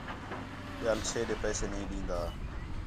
ٻِیال چھے ݙے پیسے نہیں ݙین٘داں